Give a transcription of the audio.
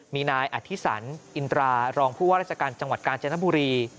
มีนายอธิสันอินตรารองผู้ว่าราชการจังหวัดกาญจนบุรี